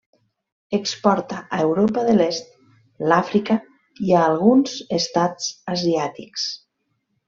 Exporta a l'Europa de l'Est, l'Àfrica i a alguns estats asiàtics.